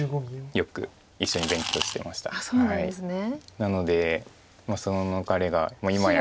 なのでその彼が今や。